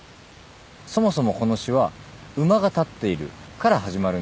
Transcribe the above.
そもそもこの詩は「馬がたってゐる」から始まるんですよ。